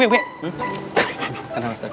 kece kece kece